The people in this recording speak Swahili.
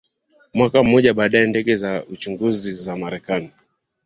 Mwaka mmoja baadae ndege za uchunguzi za Marekani